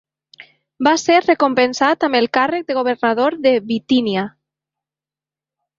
Va ser recompensat amb el càrrec de governador de Bitínia.